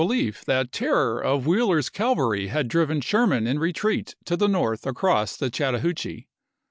lief that terror of Wheeler's cavalry had driven Sherman in retreat to the north across the Chatta hoochee.